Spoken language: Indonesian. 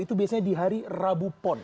itu biasanya di hari rabu pon